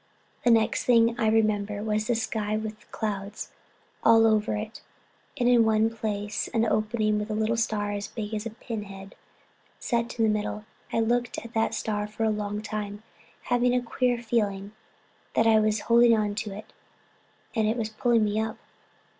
The next thing I remember was the sky with clouds all over it and in one place an opening with a little star as big as a pinhead set in the middle. I looked at that star for a long time, having a queer feeling that I was holding on to it and it was pulling me up.